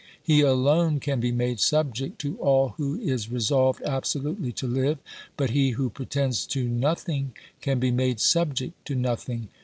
He alone can be made subject to all who is resolved absolutely to live, but he who pretends to nothing can be made subject to nothing.